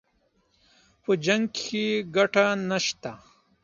په جـنګ كښې ګټه نشته